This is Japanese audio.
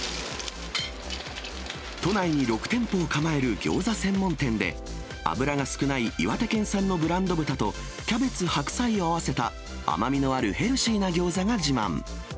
都内に６店舗を構えるギョーザ専門店で、脂が少ない岩手県産のブランド豚と、キャベツ、白菜を合わせた、甘みのあるヘルシーなギョーザが自慢。